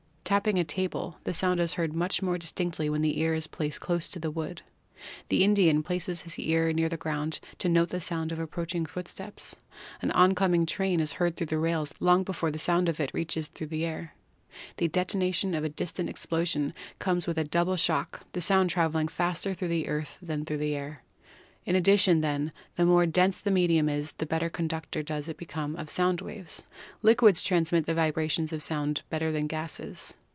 Tapping a table, the sound is heard much more distinctly when the ear is placed close to the wood; the Indian places his ear near the ground to note the sound of approaching footsteps; an oncoming train is heard through the rails long before the sound of it reaches through the air; the detonation of a distant explosion comes with a double shock, the sound traveling faster through the earth than through the air. In general, then, the more dense the medium is, the better conductor does it become of sound waves. Liquids transmit the vibrations of sound better than gases.